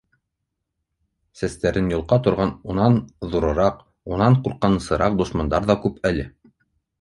Сәстәрен йолҡа торған унан ҙурыраҡ, унан ҡурҡынысыраҡ дошмандар ҙа күп әле.